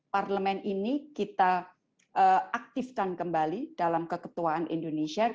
parlemen ini kita aktifkan kembali dalam keketuaan indonesia